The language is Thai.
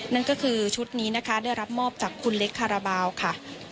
นั่นก็คือชุดนี้นะคะได้รับมอบจากคุณเล็กคาราบาลค่ะ